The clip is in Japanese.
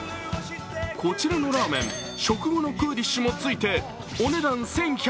こちらのラーメン、食後のクーリッシュもついてお値段１１００円。